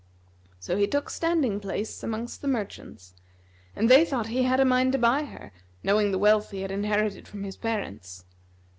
So he took standing place amongst the merchants, and they thought he had a mind to buy her, knowing the wealth he had inherited from his parents.